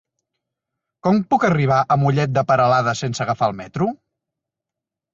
Com puc arribar a Mollet de Peralada sense agafar el metro?